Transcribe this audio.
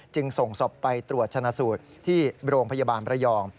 จึงส่งศพไปตรวจชนะสูตรที่โรงพยาบาลประยอง